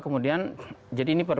kemudian jadi ini